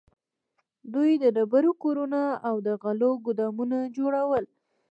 دوی د ډبرو کورونه او د غلو ګودامونه جوړول.